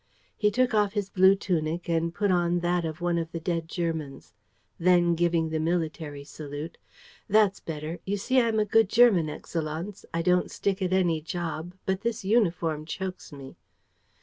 He took off his blue tunic and put on that of one of the dead Germans. Then, giving the military salute: "That's better. You see, I'm a good German, Excellenz. I don't stick at any job. But this uniform chokes me.